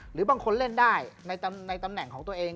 หรือบางคนเล่นได้ในตำแหน่งของตัวเอง